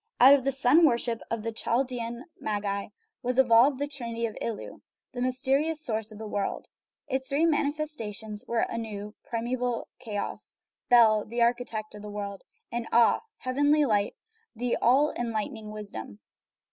Out of the sun worship of the Chaldean magi was evolved the Trinity of Ilu, the mysterious source of the world; its three manifestations were Anu, primeval chaos; Bel, the architect of the world; and Aa, the heavenly light, the all enlightening wisdom.